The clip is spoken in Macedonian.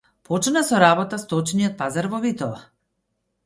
Почна со работа Сточниот пазар во Битола